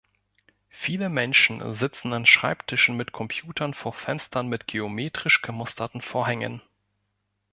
Viele Menschen sitzen an Schreibtischen mit Computern vor Fenstern mit geometrisch gemusterten Vorhängen